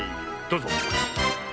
どうぞ。